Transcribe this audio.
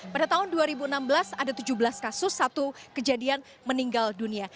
pada tahun dua ribu enam belas ada tujuh belas kasus satu kejadian meninggal dunia